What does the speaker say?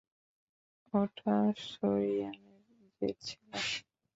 ওটা সোরিয়ানের জেট ছিল।